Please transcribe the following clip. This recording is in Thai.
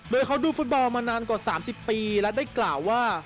โดยเขาดูฟุตบอลมานานกว่า๓๐ปีและได้กล่าวว่า